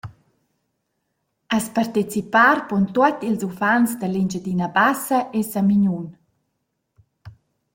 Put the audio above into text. As partecipar pon tuot ils uffants da l’Engiadina Bassa e Samignun.